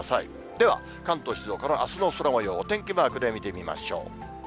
では、関東、静岡のあすの空もよう、お天気マークで見てみましょう。